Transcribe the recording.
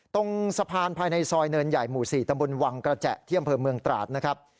ตรงสะพานภายในซอยเนินใหญ่หมู่๔ตำบลวังกระแจที่อำเภอเมืองตราดนะครับ